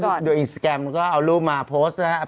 ตอนนี้ดูอินสกรามก็เอารูปมาโพสต์นะครับ